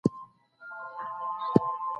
د دې طبقو ترمنځ همږغي اړینه ده.